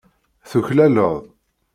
Tuklaleḍ.